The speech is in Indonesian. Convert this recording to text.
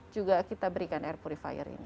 juga kita berikan air purifier ini